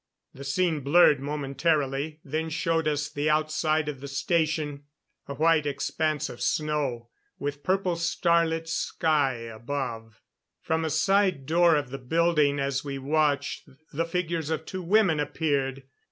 The scene blurred momentarily, then showed us the outside of the Station. A white expanse of snow, with purple starlit sky above. From a side door of the building, as we watched, the figures of two women appeared.